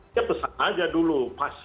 dia pesan aja dulu pas